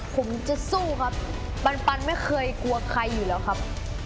ผมจะสู้ครับปันไม่เคยกลัวใครอยู่แล้วครับ